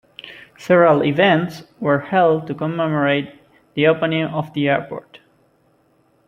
Several events were held to commemorate the opening of the airport.